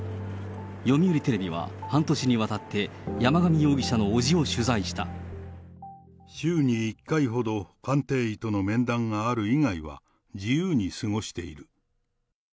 読売テレビは半年にわたって、週に１回ほど、鑑定医との面談がある以外は自由に過ごしている。